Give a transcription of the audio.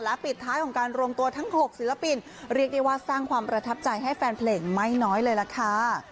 และปิดท้ายของการรวมตัวทั้ง๖ศิลปินเรียกได้ว่าสร้างความประทับใจให้แฟนเพลงไม่น้อยเลยล่ะค่ะ